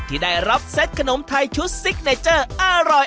ที่ได้รับเซ็ตขนมไทยชุดซิกเนจเจอร์